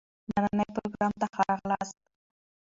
نني پروګرام ته ښه راغلاست.